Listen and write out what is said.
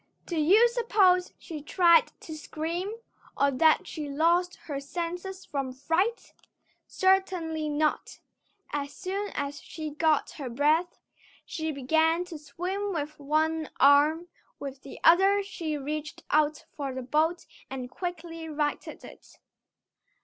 Do you suppose she tried to scream, or that she lost her senses from fright? Certainly not. As soon as she got her breath, she began to swim with one arm; with the other she reached out for the boat and quickly righted it.